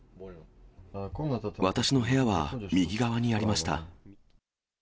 私の部屋は右側にありました。